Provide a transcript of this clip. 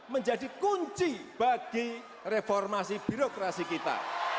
menjadi kunci bagi reformasi birokrasi kita